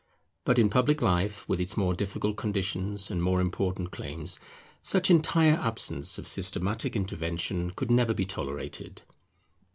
But in public life, with its more difficult conditions and more important claims, such entire absence of systematic intervention could never be tolerated.